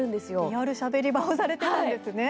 リアル「しゃべり場」をされていたんですね。